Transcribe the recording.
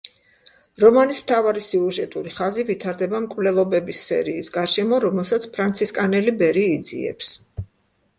რომანის მთავარი სიუჟეტური ხაზი ვითარდება მკვლელობების სერიის გარშემო, რომელსაც ფრანცისკანელი ბერი იძიებს.